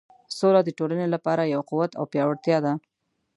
سوله د ټولنې لپاره یو قوت او پیاوړتیا ده.